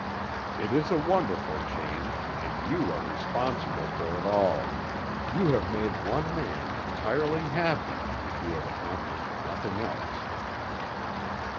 It is a wonderful change, and you are responsible for it all; you have made one man entirely happy, if you have accomplished nothing else."